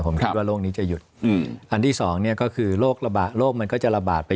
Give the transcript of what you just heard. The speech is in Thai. ผมคิดว่าโรคนี้จะหยุดอันที่สองก็คือโรคมันก็จะระบาดไป